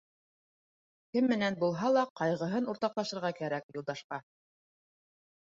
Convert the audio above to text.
Кем менән булһа ла ҡайғыһын уртаҡлашырға кәрәк Юлдашҡа.